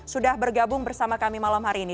sudah bergabung bersama kami malam hari ini